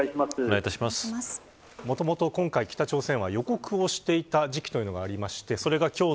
もともと今回、北朝鮮は予告をしていた時期というのがあります。